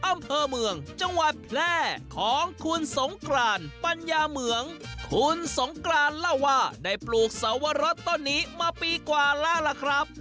อำเภอเมืองจังหวัดแพร่ของคุณสงกรานปัญญาเหมืองคุณสงกรานเล่าว่าได้ปลูกสวรสต้นนี้มาปีกว่าแล้วล่ะครับ